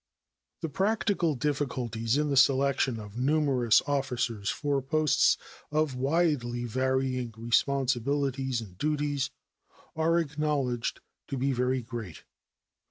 The practical difficulties in the selection of numerous officers for posts of widely varying responsibilities and duties are acknowledged to be very great.